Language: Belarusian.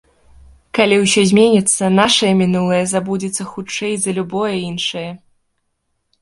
Калі ўсё зменіцца, нашае мінулае забудзецца хутчэй за любое іншае.